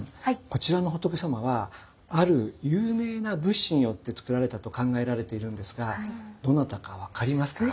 こちらの仏様はある有名な仏師によって造られたと考えられているんですがどなたか分かりますか？